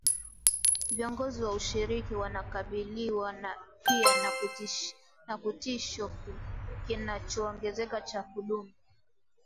Viongozi wa ushirika wanakabiliwa pia na kitisho kinachoongezeka cha kudumu